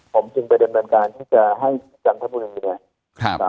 ผมจึงแบ่นใบนการที่จะให้ชังทเป็นพิกับเรา